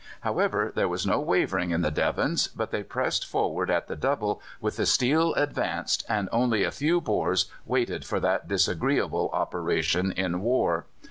However, there was no wavering in the Devons, but they pressed forward at the double with the steel advanced, and only a few Boers waited for that disagreeable operation in war.